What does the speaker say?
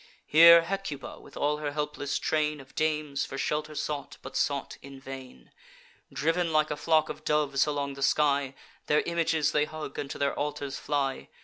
Here Hecuba, with all her helpless train Of dames, for shelter sought, but sought in vain. Driv'n like a flock of doves along the sky, Their images they hug, and to their altars fly.